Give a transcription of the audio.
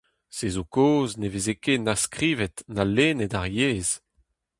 Se zo kaoz ne veze ket na skrivet na lennet ar yezh.